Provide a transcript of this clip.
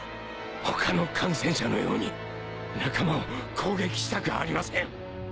他の感染者のように仲間を攻撃したくありません。